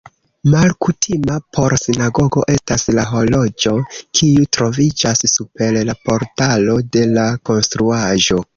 Malkutima por sinagogo estas la horloĝo, kiu troviĝas super la portalo de la konstruaĵo.